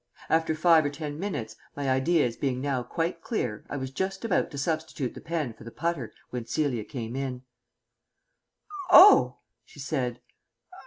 After five or ten minutes, my ideas being now quite clear, I was just about to substitute the pen for the putter when Celia came in. "Oh!" she said.